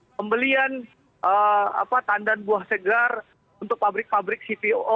pembelian tandan buah segar untuk pabrik pabrik cpo